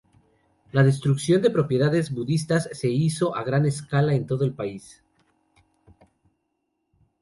La destrucción de propiedades budistas se hizo a gran escala en todo el país.